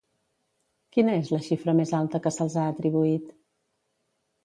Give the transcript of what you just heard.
Quina és la xifra més alta que se'ls ha atribuït?